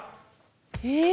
え